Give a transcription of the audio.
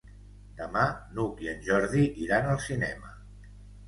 Demà n'Hug i en Jordi iran al cinema.